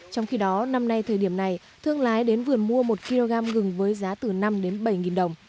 trong khi đó năm nay thời điểm này thương lái đến vườn mua một kg ngừng với giá từ năm đến bảy đồng